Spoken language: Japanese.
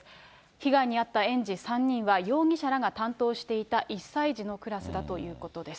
被害に遭った園児３人は、容疑者らが担当していた１歳児のクラスだということです。